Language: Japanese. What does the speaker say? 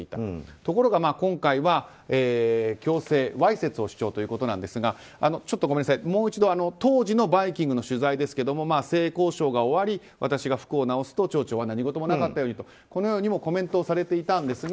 ところが今回は強制わいせつを主張ということですがもう一度、当時の「バイキング」の取材ですが性交渉が終わり、私が服を直すと町長は何事もなかったようにとこのようにコメントをされていたんですが。